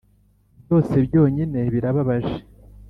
byose byonyine, birababaje